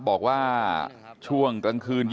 บอกว่าช่วงกลางคืน